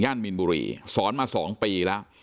ย่านมีนบุรีสอนมาสองปีแล้ว